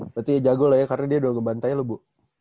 berarti dia jago lah ya karena dia udah ke bantai loh bu